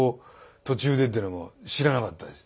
途中でっていうのも知らなかったです。